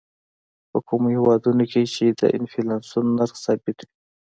په کومو هېوادونو کې چې د انفلاسیون نرخ ثابت وي.